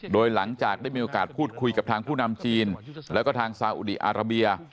โดยหลังจากได้มีโอกาสพูดคุยกับทางผู้นำจีนแล้วก็ทางซาอุดีอาราเบีย